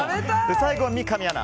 最後は三上アナ。